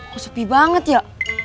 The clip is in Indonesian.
kok sepi banget ya